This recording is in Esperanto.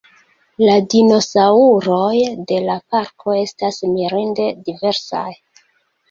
La dinosaŭroj de la parko estas mirinde diversaj.